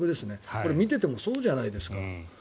これ、見ていてもそうじゃないですか。